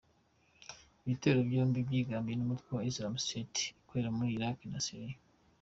Ibitero byombi byigambwe n’umutwe wa Islamic State ukorera muri Iraq na Syria.